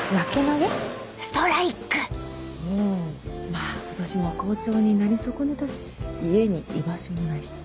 まぁ今年も校長になり損ねたし家に居場所もないし。